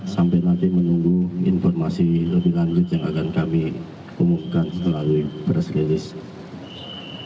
sampai nanti menunggu informasi lebih lanjut yang akan kami umumkan melalui press release